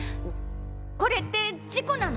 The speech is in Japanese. これって事故なの？